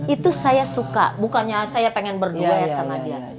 itu saya suka bukannya saya pengen berduet sama dia